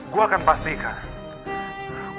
gue akan pastikan